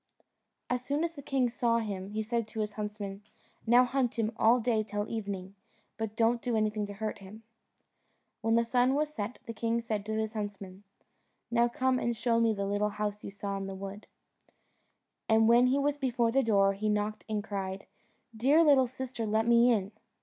As soon as the king saw him, he said to his huntsmen, "Now hunt him all day till evening, but don't do anything to hurt him." When the sun was set the king said to his huntsman, "Now come and show me the little house you saw in the wood." And when he was before the door he knocked and cried, "Dear little sister, let me in."